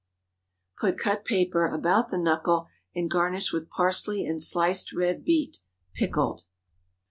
Put cut paper about the knuckle, and garnish with parsley and sliced red beet—pickled.